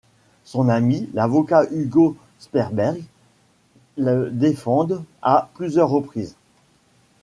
Son ami, l'avocat Hugo Sperber, le défende à plusieurs reprises.